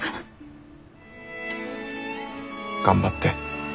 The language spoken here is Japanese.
頑張って。